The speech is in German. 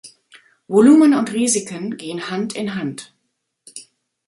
Volumen und Risiken gehen Hand in Hand.